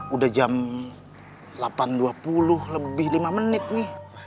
udah jam delapan dua puluh lebih lima menit nih